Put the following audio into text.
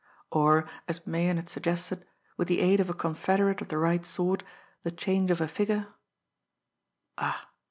Or, as Meighan had suggested, with the aid of a confederate of the right sort, the change of a figure ah!